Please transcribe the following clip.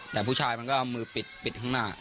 แต่ผู้ชายมันก็เอามือปิดข้างหน้า